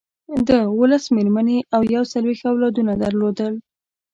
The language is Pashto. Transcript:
ده اوولس مېرمنې او یو څلویښت اولادونه درلودل.